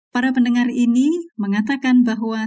para pendengar ini mengatakan bahwa